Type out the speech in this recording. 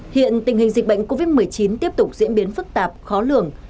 hiện tình hình dịch bệnh covid một mươi chín tiếp tục diễn biến phức tạp khó lường